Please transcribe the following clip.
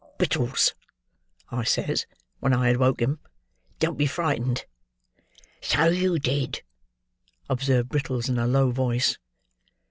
'Brittles,' I says, when I had woke him, 'don't be frightened!'" "So you did," observed Brittles, in a low voice.